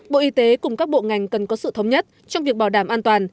bộ y tế cùng các bộ ngành cần có sự thống nhất trong việc bảo đảm an toàn